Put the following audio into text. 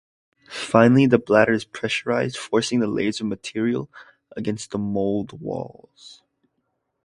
Finally, the bladder is pressurized forcing the layers of material against the mould walls.